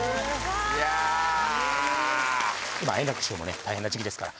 今、円楽師匠も大変な時期ですから。